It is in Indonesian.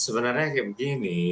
sebenarnya kayak begini